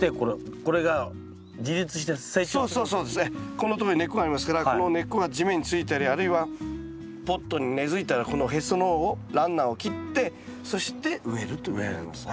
このとこに根っこがありますからこの根っこが地面についたりあるいはポットに根づいたらこのへその緒をランナーを切ってそして植えるということになります。